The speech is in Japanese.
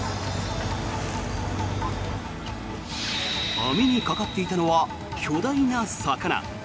網にかかっていたのは巨大な魚。